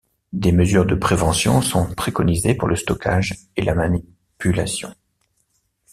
Des mesures de prévention sont préconisées pour le stockage et la manipulation.